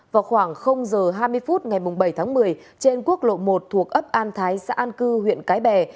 vào khoảng h hai mươi phút ngày bảy tháng một mươi trên quốc lộ một thuộc ấp an thái xã an cư huyện cái bè